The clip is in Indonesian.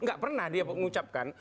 gak pernah dia mengucapkan